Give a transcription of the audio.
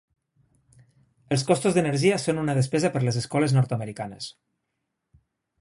Els costos d'energia són una despesa per les escoles nord-americanes.